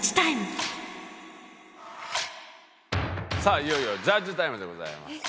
いよいよジャッジタイムでございます。